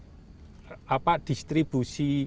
ya makanya kemudian itu tadi apa distribusi